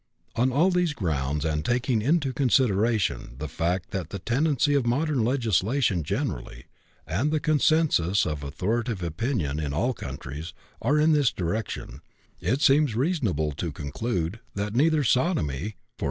On all these grounds, and taking into consideration the fact that the tendency of modern legislation generally, and the consensus of authoritative opinion in all countries, are in this direction, it seems reasonable to conclude that neither "sodomy" (i.e.